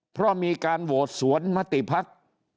เพราะมีการโหวตสวนมติภักดิ์